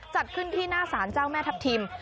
จัดขึ้นที่หน้าสารเจ้าแม่ทัพทิม